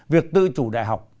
việc tự chủ đại học